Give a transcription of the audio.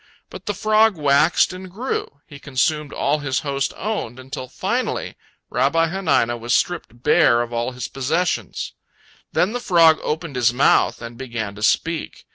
But the frog waxed and grew; he consumed all his host owned, until, finally, Rabbi Hanina was stripped bare of all his possessions. Then the frog opened his mouth and began to speak.